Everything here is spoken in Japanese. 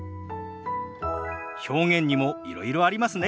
表現にもいろいろありますね。